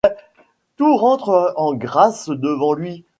Tout rentre en grâce devant lui.